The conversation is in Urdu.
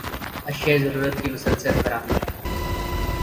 اشیائے ضرورت کی مسلسل فراہمی